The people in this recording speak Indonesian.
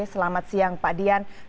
selamat siang pak dian